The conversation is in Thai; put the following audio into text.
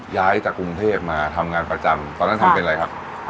ย้ายจากกรุงเทพมาทำงานประจำตอนนั้นทำเป็นอะไรครับ